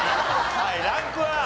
はいランクは？